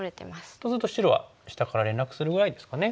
とすると白は下から連絡するぐらいですかね。